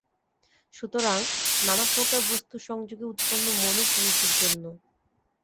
সুতরাং নানাপ্রকার বস্তুর সংযোগে উৎপন্ন মনও পুরুষের জন্য।